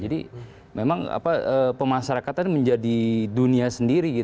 jadi memang pemasarakatan menjadi dunia sendiri